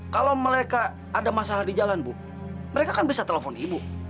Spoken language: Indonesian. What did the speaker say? kalau mereka ada masalah di jalan bu mereka kan bisa telepon ibu